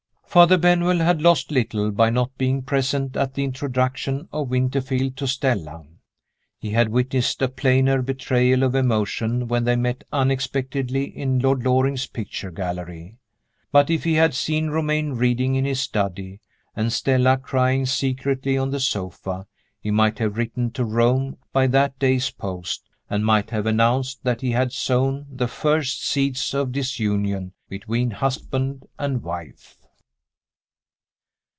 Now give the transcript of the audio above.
Father Benwell had lost little by not being present at the introduction of Winterfield to Stella. He had witnessed a plainer betrayal of emotion when they met unexpectedly in Lord Loring's picture gallery. But if he had seen Romayne reading in his study, and Stella crying secretly on the sofa, he might have written to Rome by that day's post, and might have announced that he had sown the first seeds of disunion between husband and wife.